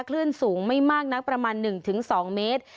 คลื่นสูงไม่มากนักประมาณ๑๒เมตร